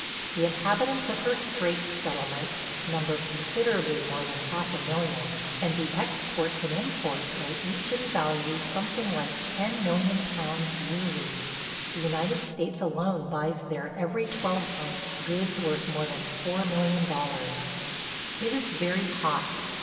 The inhabitants of her Straits Settlements number considerably more than half a million, and the exports and imports are each in value something like £10,000,000 yearly. The United States alone buys there every twelvemonth goods worth more than $4,000,000. ... It is very hot.